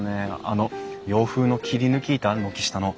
あの洋風の切り抜き板軒下の。